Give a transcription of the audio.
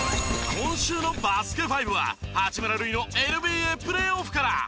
今週の『バスケ☆ＦＩＶＥ』は八村塁のＮＢＡプレーオフから。